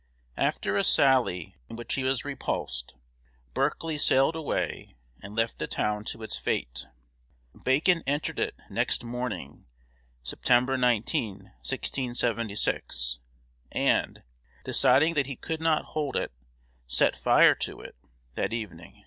After a sally in which he was repulsed, Berkeley sailed away and left the town to its fate. Bacon entered it next morning (September 19, 1676), and, deciding that he could not hold it, set fire to it that evening.